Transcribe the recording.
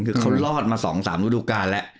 คือเขารอดมาสองสามรูปการณ์และ